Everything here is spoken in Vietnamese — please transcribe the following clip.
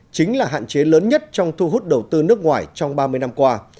chính là hạn chế lớn nhất trong thu hút đầu tư nước ngoài trong ba mươi năm qua